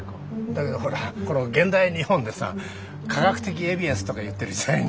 だけどほらこの現代日本でさ科学的エビエンスとか言ってる時代に。